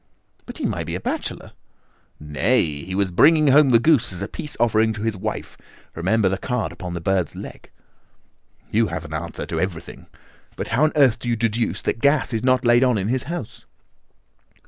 "But he might be a bachelor." "Nay, he was bringing home the goose as a peace offering to his wife. Remember the card upon the bird's leg." "You have an answer to everything. But how on earth do you deduce that the gas is not laid on in his house?"